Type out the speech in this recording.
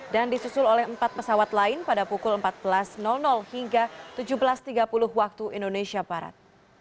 dan disusul oleh empat pesawat lain pada pukul empat belas hingga tujuh belas tiga puluh waktu indonesia barat